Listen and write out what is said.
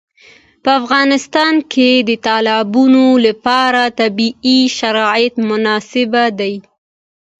په افغانستان کې د تالابونو لپاره طبیعي شرایط مناسب دي.